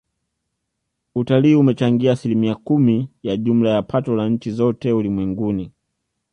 Utalii umechangia asilimia kumi ya jumla ya pato la nchi zote ulimwenguni